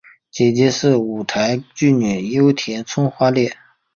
姐姐是舞台剧女优田村花恋。